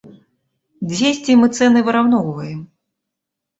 Дзесьці мы цэны выраўноўваем.